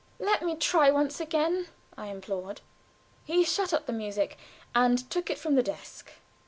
"Let me try once again!" I implored. He shut up the music and took it from the desk.